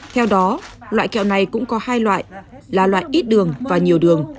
theo đó loại kẹo này cũng có hai loại là loại ít đường và nhiều đường